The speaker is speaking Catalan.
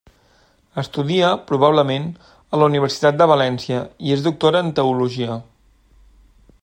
Estudia, probablement, a la Universitat de València, i es doctora en Teologia.